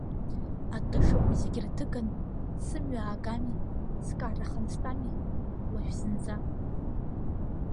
Атышақәа зегь ирҭыган сымҩа аагами, скарахан стәами уажә зынӡа.